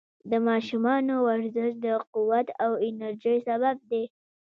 د ماشومانو ورزش د قوت او انرژۍ سبب دی.